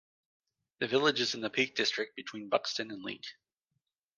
The village is in the Peak District, between Buxton and Leek.